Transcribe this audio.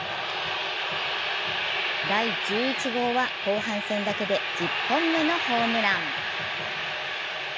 第１１号は後半戦だけで１０本目のホームラン。